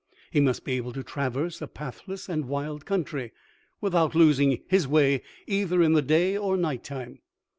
He must be able to traverse a pathless and wild country without losing his way either in the day or night time.